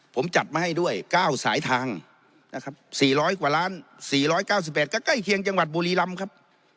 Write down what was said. ผมจัดมาให้ด้วยเก้าสายทางนะครับสี่ร้อยกว่าล้านสี่ร้อยเก้าสิบแปดก็ใกล้เคียงจังหวัดบุรีรำครับ